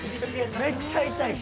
めっちゃ痛いし。